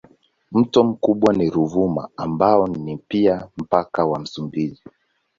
Mto mkubwa ni Ruvuma ambao ni pia mpaka wa Msumbiji.